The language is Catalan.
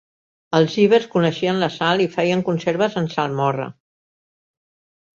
Els ibers coneixien la sal i feien conserves en salmorra.